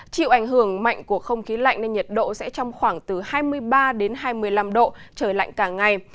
chịu ảnh hưởng mạnh của không khí lạnh nên nhiệt độ sẽ trong khoảng từ hai mươi ba đến hai mươi năm độ trời lạnh cả ngày